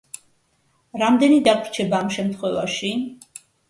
რამდენი დაგვრჩება ამ შემთხვევაში?